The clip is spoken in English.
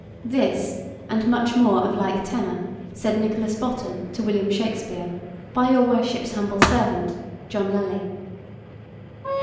This, and much more of like tenor, saith Nicholas Bottom to William Shakespeare by your worship's humble servant, JOHN LELY.